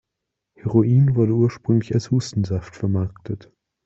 Heroin wurde ursprünglich als Hustensaft vermarktet.